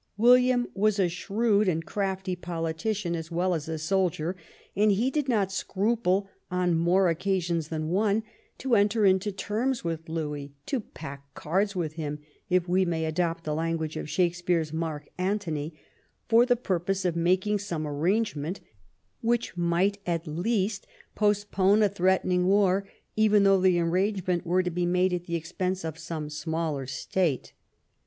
William was a shrewd and crafty politician as well as a soldier, 37 THE REIGN OF QUEEN ANNE and he did not scrapie, on more occasions than one, to enter into terms with Louis, to " pack cards " with him, if we may adopt the language of Shakespeare's Mark Antony, for the purpose of making some ar rangement which might at least postpone a threaten ing war, even though the arrangement were to be made at the expense of some smaller state.